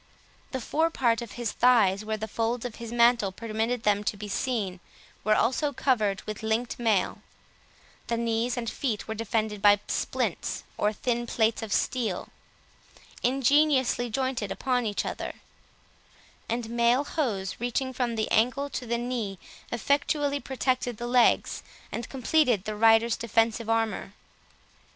The fore part of his thighs, where the folds of his mantle permitted them to be seen, were also covered with linked mail; the knees and feet were defended by splints, or thin plates of steel, ingeniously jointed upon each other; and mail hose, reaching from the ankle to the knee, effectually protected the legs, and completed the rider's defensive armour.